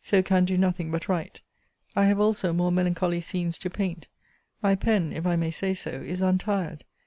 So can do nothing but write. I have also more melancholy scenes to paint. My pen, if I may say so, is untired.